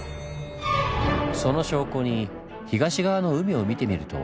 その証拠に東側の海を見てみると。